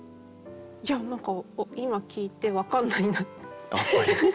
いや何か今聞いてわかんないなって。